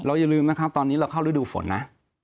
อย่าลืมนะครับตอนนี้เราเข้าฤดูฝนนะ